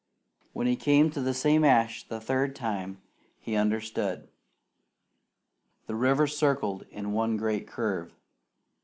When he came to the same ash for the third time, he understood. The river circled in one great curve.